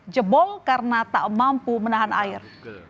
jebol karena tak mampu menahan air